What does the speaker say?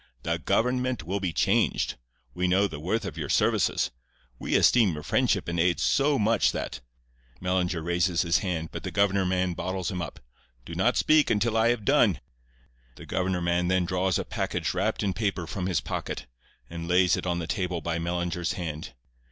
The government will be changed. We know the worth of your services. We esteem your friendship and aid so much that'—Mellinger raises his hand, but the governor man bottles him up. 'Do not speak until I have done.' "The governor man then draws a package wrapped in paper from his pocket, and lays it on the table by Mellinger's hand.